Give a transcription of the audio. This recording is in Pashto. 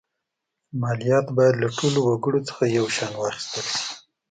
مالیات باید له ټولو وګړو څخه یو شان واخیستل شي.